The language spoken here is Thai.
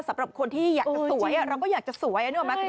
สำหรับคนที่อยากจะสวยเราก็อยากจะสวย